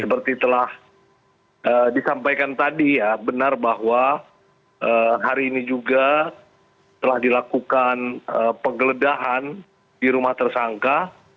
seperti telah disampaikan tadi ya benar bahwa hari ini juga telah dilakukan penggeledahan di rumah tersangka